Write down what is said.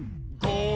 ゴー！